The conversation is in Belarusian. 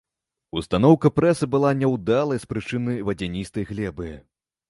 Устаноўка прэса была няўдалая з прычыны вадзяністай глебы.